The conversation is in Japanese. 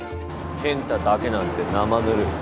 健太だけなんて生ぬるい。